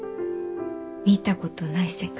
見たことない世界？